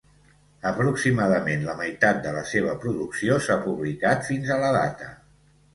Aproximadament la meitat de la seva producció s'ha publicat fins a la data.